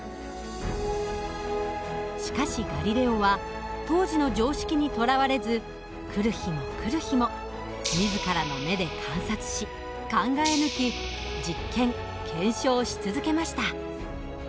しかしガリレオは当時の常識にとらわれず来る日も来る日も自らの目で観察し考え抜き実験検証し続けました。